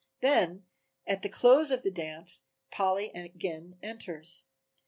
Then at the close of the dance Polly again enters.